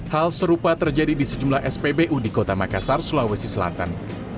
hal serupa terjadi di sejumlah spbu di kota makassar sulawesi selatan